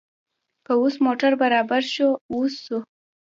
که اوس موټر برابر شو، اوس ځو.